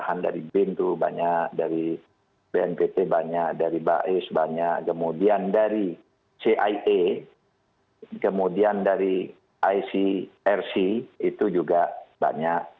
bahkan dari bin itu banyak dari bnpt banyak dari bais banyak kemudian dari cia kemudian dari icrc itu juga banyak